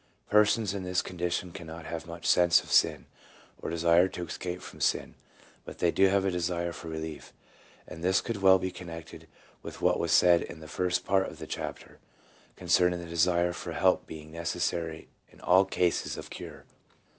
Persons in this condition cannot have much sense of sin, or desire to escape from sin ; but they do have a desire for relief, and this could well be connected with what was said in the first part of the chapter, concerning the desire for help being necessary in all cases of cure.